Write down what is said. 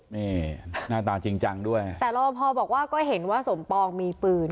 นี่หน้าตาจริงจังด้วยแต่รอบพอบอกว่าก็เห็นว่าสมปองมีปืน